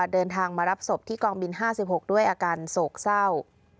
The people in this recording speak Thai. เดินทางมารับศพที่กองบิน๕๖ด้วยอาการโศกเศร้า